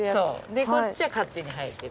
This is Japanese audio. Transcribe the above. でこっちが勝手に生えてる。